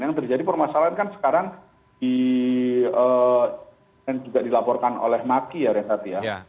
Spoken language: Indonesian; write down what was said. yang terjadi permasalahan kan sekarang yang juga dilaporkan oleh maki ya ren tadi ya